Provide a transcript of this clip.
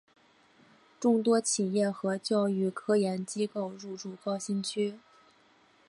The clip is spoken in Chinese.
众多企业和教育科研机构入驻高新区。